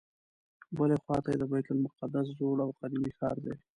بلې خواته یې د بیت المقدس زوړ او قدیمي ښار دی.